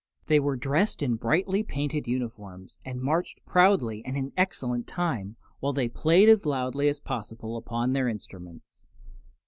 They were dressed in brightly painted uniforms and marched proudly and in excellent time, while they played as loudly as possible upon their instruments.